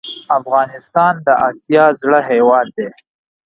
افغانستان د اسیا زړه هیواد ده